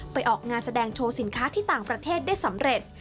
ออกงานแสดงโชว์สินค้าที่ต่างประเทศได้สำเร็จ